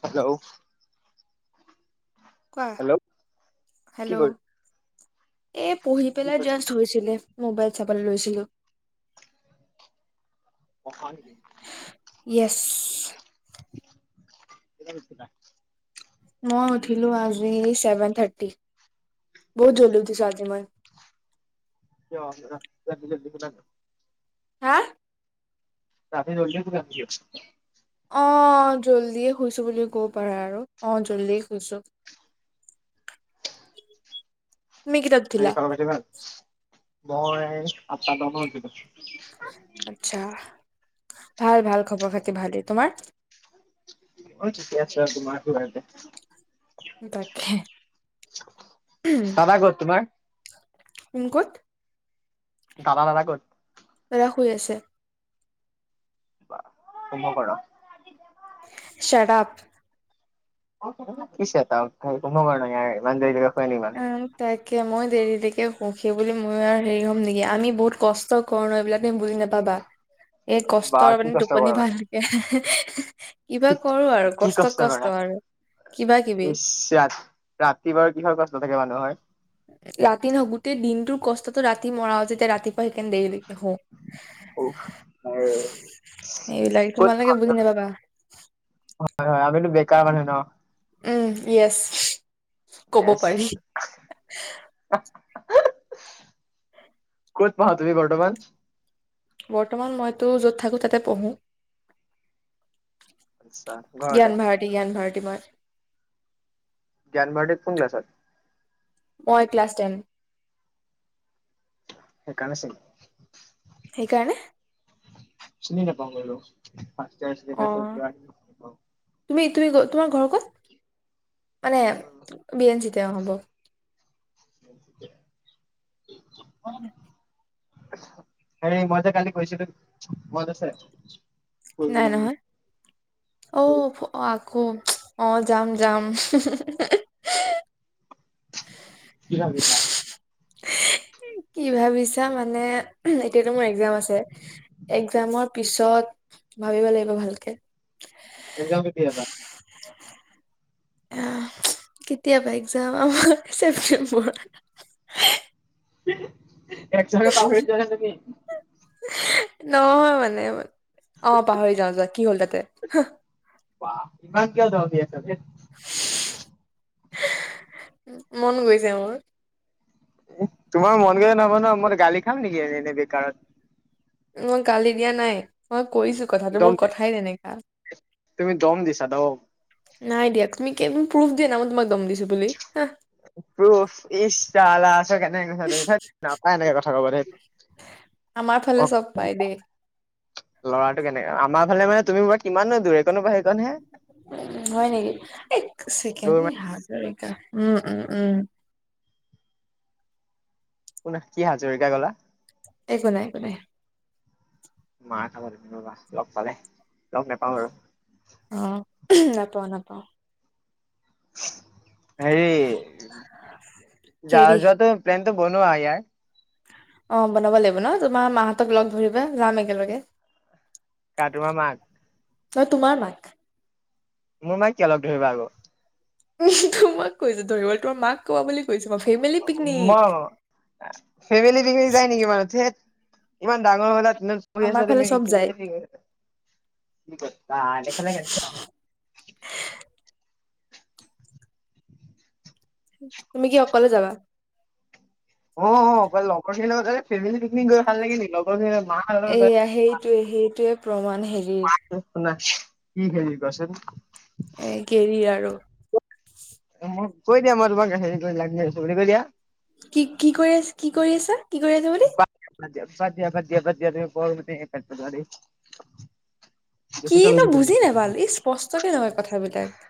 Hello. কোৱা কি hello কৰি । এ পঢহি কি পেলাই কৰিছে? জাষ্ট হৈছিলে । মোবাইল চাবলৈ লৈছিলো । [unintelligible] এছ । [unintelligible] ম উঠিলো আজি চেভেন থাৰ্টি বহুত জঝল দিিছো আজি মই । [inaudible] হা । ৰামি দৌললে [inaudible] আহ জল্ডিয়ে শুইছো বুলি কব পাৰে আৰু আহ জল্দিিয় শুইছো । ন খাল পছে ন । ময় আ ত নতাত উঠিলোঁ । আচ্ছা ভাল ভাল খবৰ খাতি ভালেই তোমাৰ । মই তাইক আছেমাৰ। [inaudible] তাকে উম। দাদা ক'ত তোমাৰ? কোন ক'ত? দাদা, দাদা ক'ত? দাদা শুই আছে। [unintelligible] চাট আপ কি চাট আপ [unintelligible] উম তাকে মই দেৰিলৈকে শুওঁ। সেইবুলি মোৰ আৰু, হেৰি হ'ম নেকি আমি বহুত কষ্ট, কৰো এইবিলাক তুমি বুজি নাপাবা এই বা কষ্টৰ কি মানে কষ্ট টোপনি কৰা, ভালকে [inaudible] কিবা কৰো আৰু কি কষ্ট, কৰা। কষ্ট আৰু কিবা কিবি। ইচ ৰাত ৰাতি বাৰু কিহৰ কষ্ট থাকে মানুহৰ। ৰাতি নহয় গোটেই দিনটোৰ কষ্ট, ৰাতি মৰা [unintelligible] ৰাতিপুৱা সেইকাৰণে উফ এই দেৰিলৈকে এইবিলাকে, ক'ত তোমালোকে বুজি নাপাবা। হয় হয় আমিতো বেকাৰ মানুহ ন উম ইয়েছ কব পাৰি ক'ত পঢ়া তুমি বৰ্তমান? বৰ্তমান মইতো য'ত থাকো তাতে পঢ়ো। আচ্ছা ঘৰতে। জ্ঞান ভাৰতী জ্ঞান ভাৰতী তোমাৰ, জ্ঞান ভাৰতীত কোন ক্লাছত? মই ক্লাছ টেন সেইকাৰণে [unintelligible] সেইকাৰণে। চিনি নাপাওঁ অ [unintelligible] তুমি তুমি তোমাৰ ঘৰ ক'ত মানে বি এন চি এতিয়া হ'ব [inaudible] উম। হ মজ কাল কৈছিলো মজছে নাই নহয় অ বুলি আকৌ অ যাম যাম কি ভাবিছা। কি ভাবিছা মানে মানে এতিয়াতো মোৰ এক্সাম আছে। এক্সামৰ পিছত ভাবিব লাগিব ভালকে। এক্সাম কেতিয়া পা [inaudible] আহ কেতিয়া পা এক্সাম আমাৰ ছেপ্টেম্বৰ। উ এক চক পাহৰি যোৱা নেকি তুমি। নহয় মানে অ পাহৰি যাওঁ যোৱা কি হ'ল তাতে। বাহ ইমান কিয় তাকে [unintelligible] মন গৈছে মোৰ। তোমাৰ মন গ'লে নহ'ব মই গালি খাম নেকি এনে বেকাৰত । মই গালি দিয়া নাই মই কৈছোঁ কথাটো দম মোৰ কথাই তেনেকা তুমি দম দিছা দম। নাই দিয়া তুমি। প্ৰুফ দিয়া না মই তোমাক দম দিছো বুলি হা। প্ৰফ ই কেনেকৈ কথা কৈছাঁ তুমি থেত নাপায় এনেকে কথা কব দেই আমাৰ অ। ফালে চব পাই দেই ল'ৰাটো কেনেক আমাৰ ফালে মানে তুমি কিমাননো দূৰ এইকনৰ পৰা সেইকনহে হয় নেকি এক ছেকেণ্ড দৌৰ নি উম উম উম। কোন কি হাজৰিকা ক'লা। একো নাই একো নাই। মা খাবা তুমি ৰবা লগ পালে লগ নাপাওঁ আৰু।। অ নাপাওঁ নাপাওঁ। [inaudible] হেৰি যা কেৰি যোৱাটো প্লেন। বনোৱা ইয়াৰ। অ বনাব লাগিব ন তোমাৰ মাহঁতক লগ ধৰিবা যাম একেলগে। কা তোমাৰ মাক। ন তোমাৰ মাক। মোৰ মাইে কি অলপ ধৰিবা আকৌ। তোমাক কৈছোঁ ধৰিবলে তোমাৰ মাক কোৱা বুলি কৈছোঁ মই। ফেমিলি ম পিকনিক ফেমিলি পিকনিক যায় নেকি বাৰু থেত। ইমান ডাঙৰ হ'লা। কিখ আমাৰ ফালে চব যায় [unintelligible] তুমি কি অকলে যাবা। অ অ লগৰখিনি লগত ফেমিলি পিকনিক গৈ ভাল লাগে নি লগৰখিনি। এইয়া সেইটোৱে সেইটোৱে প্ৰমাণ হেৰিৰ । না কি হেৰি কোৱাচোন । এ কেৰিৰ আৰু মোক কৈ দিয়া মই তোমাক মেছেজত লাইন দি আছো বুলি কৈ দিয়া । কি কি কৰি আছে কি কৰি আছে । কি কৰি আছে বুলি । বাদ দিয়া বাদ দিয়া বাদ দিয়া বাদ দিয়া বাদ দিয়া তুমি [unintelligible] দাম কিনো দি দিয়ে। বুজি নেপালো ই স্পষ্টকে নকয় কথাবিলাক ।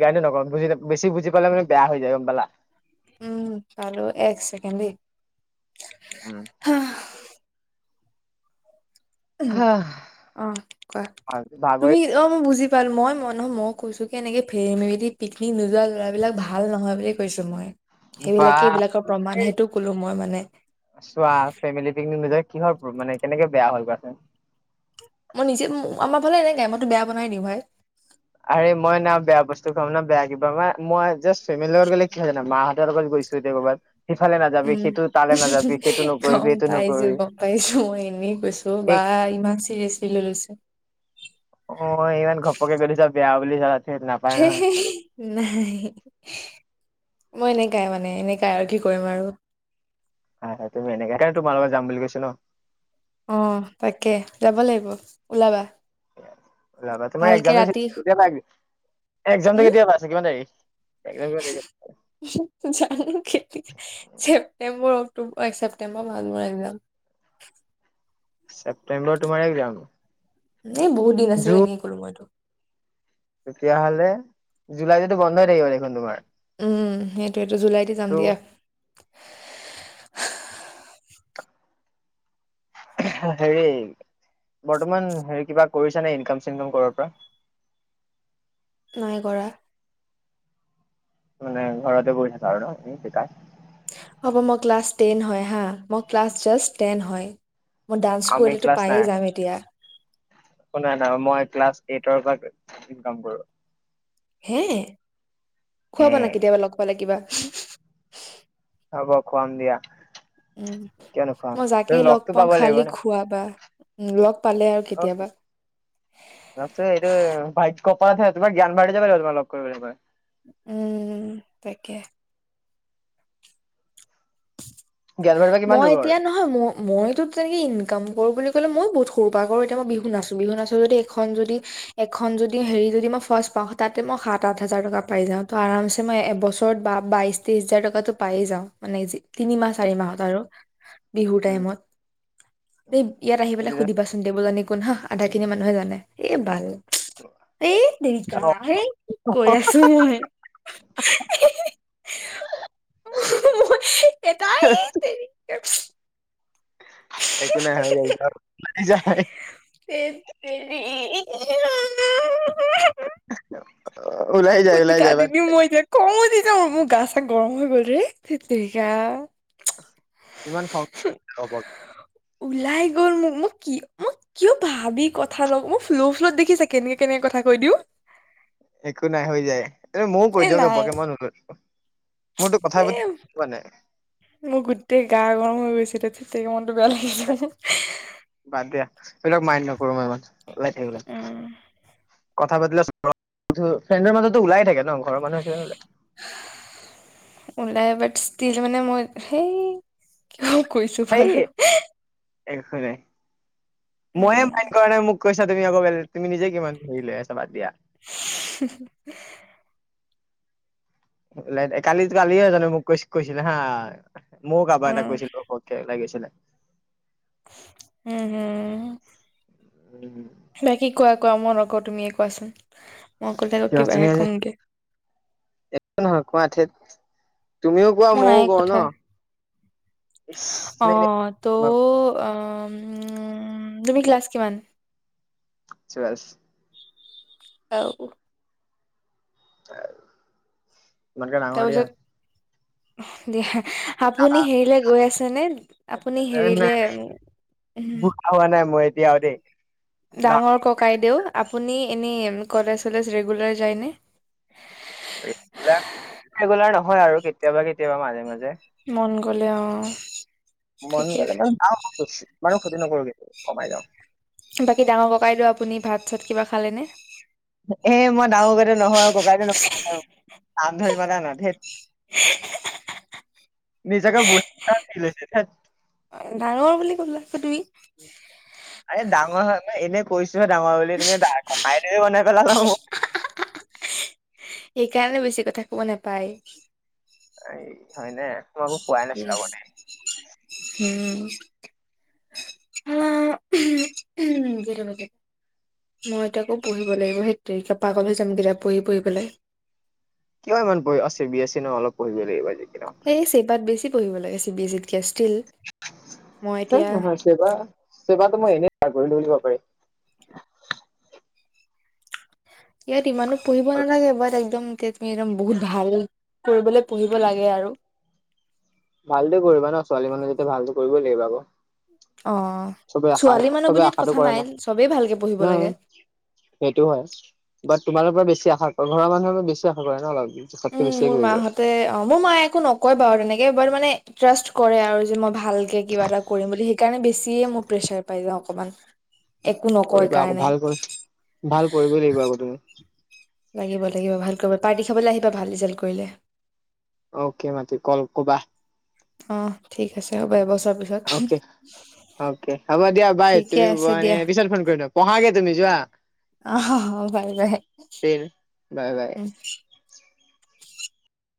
সেই কাৰনে নকও বুজি বেছি বুজি পালে মানে বেয়া হৈ যায় গম পালা উম পালো এক চেকেণ্ড দে উম। হা অ কোৱা ভাগৰি তুমি অ মই বুজি মই মই কৈছো কে এনেকে ফেমেলি পিকনিক নোযোৱা ল'ৰাবিলাক ভাল নহয় বুলি কৈছো মই । ৱা মই মানে চোৱা ফেমেলি পিকনিক নোযোৱাই কিহৰ মানে কেনেকে বেয়া হল কোৱাচোন মই নিজে আমাৰ ফালে এনেকাই মইতো বেয়া বনাই দিওঁ ভাই । আৰে মই না বেয়া বস্তু খাম ন বেয়া কিবা মানে মই জাষ্ট ফেমিল লগত গ'লে কি হয় জানা মা হঁতৰ লগত গৈছো এতিয়া কৰবাত সিফালে নাযাবি উম সেইটো তালে নাযাবি সেইটো নকৰিবি গম এইটো পাইছো নকৰিবি গম পাইছো মই এনেই কৈছো বা ঠিক ইমান চিৰিয়াচলি লয় লৈছে । [unintelligible] হেত নাপায় নহয় নাই মই এনেকাই মানে এনেকাই আৰু কি কৰিম আৰু । হয় তুমি এনেকাই সেকাৰণে তোমাৰ লগত যাম বুলি কৈছিলো । অ তাকে যাব লাগিব ওলাবা । ওলাবা [unintelligible] একজামটো উম, কেতিয়া পৰা আছে কিমান তাৰিখ জানো কেতিয়া ছেপ্তেম্বৰ [unintelligible] অক্টোবৰ এক ছেপ্টেম্বৰ মানত মোৰ একজাম । চেপ্টেম্বৰত তোমাৰ একজাম । এ বহুত দিন আছে এই এনেই কলো মই তোমাক । তেতিয়াহ'লে জুলাইটো বন্ধ হৈ থাকিব দেখোন তোমাৰ । উম সেইটো । এটো জুলাইতে যাম দিয়া । হেৰি বৰ্তমান হেৰি কিবা কৰিছা নে ইনকাম চিনকাম কৰবা পৰা । নাই কৰা । মানে ঘৰতে বহি থাকা ন এনে বেকাৰ । হ'ব মই ক্লাছ টেন হয় হা মই ক্লাছ জাষ্ট টেন হয় । আমি ক্লাছ নাই কোনোই নাই মই ক্লাছ এইটৰ পৰা । ইনকাম কৰো হে? হে খোৱাবা না কেতিয়াবা লগ পালে কিবা। [inaudible] হ'ব খুৱাম দিয়া। উম, কিয় নুখুৱাম, মই যাকে লগ লগতো পাও খালি খোৱাবা। উম লগ পালে আৰু কেতিয়াবা [unintelligible] আছে ইটো পাই তোমাৰ ঠাইত তোমাৰ জ্ঞান ভাৰতী যাব লাগিব তোমাক লগ কৰিবলে মই। উম, তাকে। জ্ঞান ভাৰতীৰ পৰা কিমান মই দূৰ ঘৰ? এতিয়া নহয়, ম-মইতো তেনেকে ইনকাম কৰো বুলি ক'লে মইও বহুত সৰু পৰা কৰো, এতিয়া মই বিহু নাচো, বিহু নাচো যদি এইখন যদি এখন যদি হেৰি যদি মই ফাৰ্ষ্ট পাও, তাতে মই সাত, আঠ হাজাৰ টকা পাই যাও, ত' আৰামছে মই এবছৰত বা-বাইশ, তেইশ হাজাৰ টকাটো পায়ে যাও, মানে তিনি মাহ চাৰি মাহত আৰু। বিহুৰ উম, টাইমত। এই ইয়াত আহি পেলাই সুধিবাচোন, দেৱজানী কোন হা, আধা খিনি মানুহে জানে, এ বাল, এত তেৰিকা, এই কি কৈ আছো মই। মই এত ধেত এ একো নাই হৈ যায়, ওলাই যায়। ধেৎ তেৰি অ' ওলাই যায় ওলাই যায়, কান্দি বাদ দিম মই এতিয়া খং উঠি মোৰ গা চা গৰম হৈ গ'ল ৰে' ধেত তেৰীকা তেৰিকা। কিমান [unintelligible] ৰাখছি লগত ওলাই গ'ল মোক-মোক-মোক কিয় ভাবি কথা নকও, মোক ফ্ল' ফ্লত দেখিছা কেনেকে-কেনেকে কথা কৈ দিওঁ। একো নাই, হৈ যায়। এ, ময়ো কৈ দিওঁ নাই ঘপককে, মোৰতো কথা পাতি এ পোৱা নাই । মোৰ গোটেই গা গৰম হৈ গৈছে তাতে [unintelligible] বাদ দিয়া এইবিলাক মাইন নকৰো মই ইমান। [unintelligible] উম, কথা পাতিলে [unintelligible] ফ্ৰেণ্ডৰ মাজতো ওলাই থাকে ন, ঘৰৰ মানুহ আছিলে কাৰণে নোলায়। ওলাই বাট ষ্টিল মানে মই, সেই অ' কৈছো সেই বাৰু। একো নাই। ময়ে উম, মাইণ্ড কৰা নাই মোক কৈছা তুমি আকৌ বেল-তুমি নিজে কিমান ধৰি লৈ আছা, বাদ দিয়া। [inaudible] লেত, কালি কালিও এজনে মোক কৈছ কৈছিলে হা। মইয়ো কাৰোবা এটাক উম, কৈছিলো ঘপককে লাগিছিলে। হম হম। উম বাকি কোৱাক ক মই নকও, তুমিয়ে কোৱাচোন। মই ক'লে আৰু কিবাহে কম গে। একো নহয় কোঁৱা ঠেত মোৰ নাই কথা। ইচ অ, মানে তো এনে অ উম, তুমি ক্লাছ কিমান? [unintelligible] অও। [unintelligible] তোমাতকে ডাঙৰ দিয়া। তাৰপিছত দিয়া। দাদা আপুনি হেৰিলে গৈ আছে নে। আপুনি হেৰিলে- বুঢ়া হোৱা নাই মই এতিয়া আৰু দেই ডাঙৰ কাইদেও আপুনি নি এনে, ম কলেজ-চলেজ ৰেগুলাৰ যায় ন? ৰেগুলাৰ নহয় আৰু কেতিয়াবা কেতিয়াবা মাজে মাজে। মন গ'লে, অ'। মন ঠিকেই গ'লে [unintelligible] ক্ষতি নকৰাকে কমাই যাওঁ। বাকী ডাঙৰ ককাইদেউ, আপুনি ভাত-চাত কিবা খালে নে? এ মই ডাঙৰ ককাইদেউ নহয়, নাম ধৰি মাতা না ধেত নিজকে বুৰা ফিল হয়চে ধেত। ডাঙৰ [unintelligible] এ ডাঙৰ হোৱানাই এনেই কৈছো। ডাঙৰ বুলি, তুমি দা ককাইদেউবে বনাই- [unintelligible] সেইকাৰণে বেছি কথা ক'ব নেপায়। এই হয়নে। তোমাক কোৱাই নাছিলো আগতে। হ, উম উম। কৈটা বাজিল? মই এতিয়া আকৌ পঢ়িব লাগিব, হেত তেৰিকা এতিয়া পাগল হৈ যাম, বিৰাট পঢ়ি পঢ়ি পেলাই। কিয় ইমান পঢ়ি, আচ্ছা বি-এছ-চি ন, অলপ পঢ়িবই লাগিব আজি। সেই চেবাত বেছি- পঢ়িব লাগে, চি বি-এ-ছিত থৈ নহায়। চেবা, চেবাটো মই এনে অ গঢ়ি তুলিব পাৰি। ইয়াত ইমানো পঢ়িব নালাগে বাট একদম তুমি একদম বহুত ভাল কৰিবলে পঢ়িব লাগে আৰু। ভালটো কৰিবা ন, ছোৱালী মানুহ যেতিয়া ভালটো কৰিবই লাগিব আকৌ। অ' চবে আশা ছোৱালী মানুহ চবে বুলি আশাটো কথা কৰে নাই ন চবেই ভালকে পঢ়িব নহয় লাগে। তোমালোকৰ বেছি আশা কৰে, ঘৰ মানুহে বেছি আশা কৰে ন বাও। উম মোৰ মাহঁতে, অ' মোৰ মায়ে একো নকয় বাৰু তেনেকে বাত মানে ট্ৰাষ্ট কৰে আৰু যে মই ভালকে কিবা এটা কৰিম বুলি সেইকাৰণে বেছিয়ে মোৰ প্ৰেছাৰ পাই যাওঁ অকমান। একো নকয় কৰিবা আকৌ, কাৰণে ভাল কৰি-ভাল কৰিবই লাগিব আকৌ তুমি। লাগিব-লাগিব ভাল কৰিব, পাৰ্টি খাবলৈ আহিবা ভাল ৰিজাল্ট কৰিলে। অ'কে মাতি কল কবা। অ' ঠিক আছে হ'ব এবছ অ'কে, অকে হ'ব দিয়া বাই ঠিকে তুমি আছে বোৱানে দিয়া পিছত ফোন কৰিম দিয়ক। পঢ়াগে তুমি যোৱা। অ বাই বাই তিল বাই-বাই উম